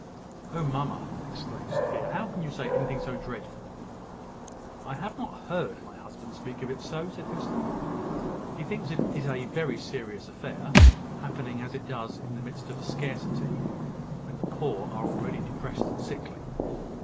"Oh, mamma," exclaimed Sophia, "how can you say anything so dreadful?" "I have not heard my husband speak of it so," said Hester. "He thinks it a very serious affair, happening as it does in the midst of a scarcity, when the poor are already depressed and sickly."